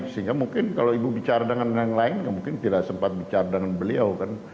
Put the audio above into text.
sehingga mungkin kalau ibu bicara dengan yang lain mungkin tidak sempat bicara dengan beliau kan